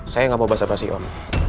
saya gak mau bahasa bahasi om